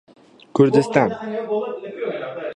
کوردستان